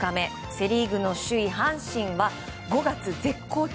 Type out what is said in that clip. セ・リーグの首位、阪神は５月、絶好調。